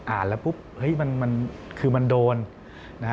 อ่านแล้วปุ๊บคือมันโดน